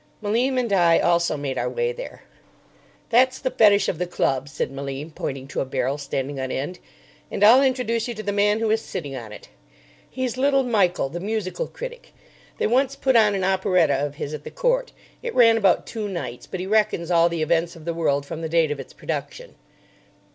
Malim and I also made our way there. "That's the fetish of the club," said Malim, pointing to a barrel standing on end; "and I'll introduce you to the man who is sitting on it. He's little Michael, the musical critic. They once put on an operetta of his at the Court. It ran about two nights, but he reckons all the events of the world from the date of its production."